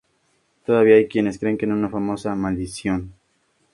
Todavía hay quienes creen en una famosa "maldición".